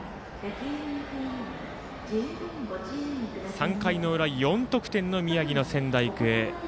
３回の裏、４得点の宮城の仙台育英。